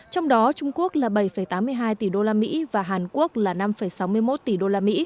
trong đó trung quốc là bảy tám mươi hai tỷ usd và hàn quốc là năm sáu mươi một tỷ usd